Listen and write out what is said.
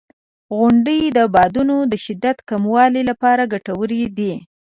• غونډۍ د بادونو د شدت کمولو لپاره ګټورې دي.